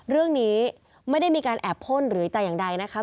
เรื่องนี้ไม่ได้มีการแอบพ่นหรือแต่อย่างใดนะคะ